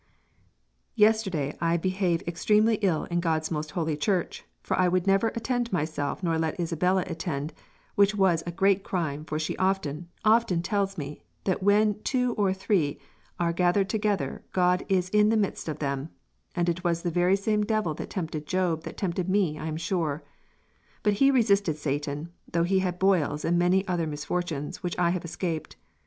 "Yesterday I behave extremely ill in God's most holy church for I would never attend myself nor let Isabella attend which was a great crime for she often, often tells me that when to or three are geathered together God is in the midst of them, and it was the very same Divil that tempted Job that tempted me I am sure; but he resisted Satan though he had boils and many many other misfortunes which I have escaped....